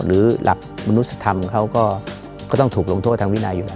หรือหลักมนุษยธรรมเขาก็ต้องถูกลงโทษทางวินัยอยู่